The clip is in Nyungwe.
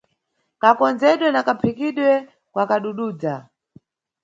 Kakondzedwe na kaphikidwe kwa kadududza.